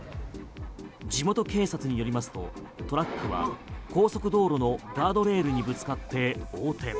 地元警察によりますとトラックは高速道路のガードレールにぶつかって横転。